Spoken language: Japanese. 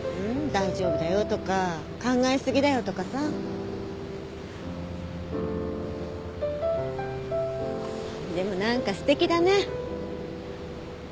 「大丈夫だよ」とか「考え過ぎだよ」とかさ。でも何かすてきだね。